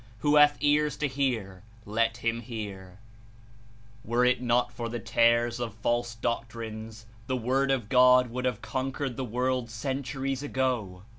Who hath ears to hear, let him hear/' Were It not for the tares of false doctrines the Word of God would have con quered the world centuries ago.